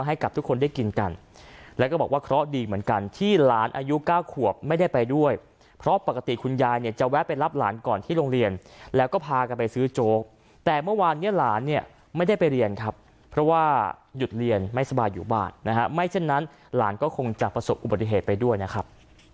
ให้กับทุกคนได้กินกันแล้วก็บอกว่าเคราะห์ดีเหมือนกันที่หลานอายุเก้าขวบไม่ได้ไปด้วยเพราะปกติคุณยายเนี่ยจะแวะไปรับหลานก่อนที่โรงเรียนแล้วก็พากันไปซื้อโจ๊กแต่เมื่อวานเนี่ยหลานเนี่ยไม่ได้ไปเรียนครับเพราะว่าหยุดเรียนไม่สบายอยู่บ้านนะฮะไม่เช่นนั้นหลานก็คงจะประสบอุบัติเหตุไปด้วยนะครับ